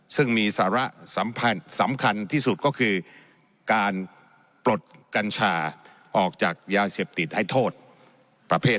ซึ่งมีสาระสำคัญที่สุดก็คือการปลดกัญชาออกจากยาเสพติดให้โทษประเภท